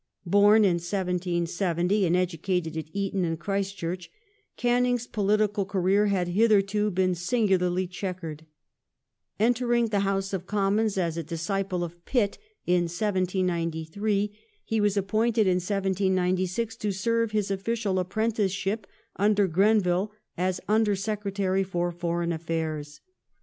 Born in 1770 and educated at Eton and Christ Church, Canning's political career had hitherto been singularly chequered. Enter ing the House of Commons as a disciple of Pitt in 1793, he was appointed in 1796 to serve his official apprenticeship under Grenville as Under Secretary for Foreign Affairs.